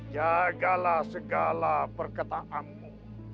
jagalah segala perkataanmu